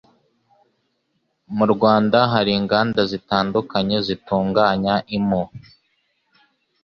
mu Rwanda hari inganda zitandukanye zitunganya impu